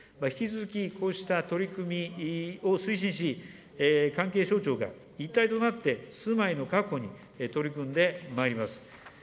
引き続きこうした取り組みを推進し、関係省庁が一体となって住まいの確保に取り組んでまいります。